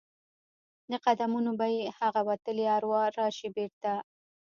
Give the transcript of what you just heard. د قدمونو به یې هغه وتلي اروا راشي بیرته؟